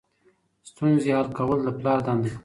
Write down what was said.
ستونزې حل کول د پلار دنده ده.